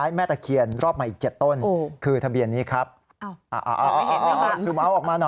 แล้วแต่ใครจะเชื่อใครจะเสี่ยงแล้วกัน